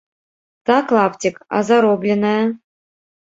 Так, лапцік, а заробленае!